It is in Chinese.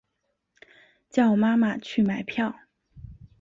叫妈妈去买票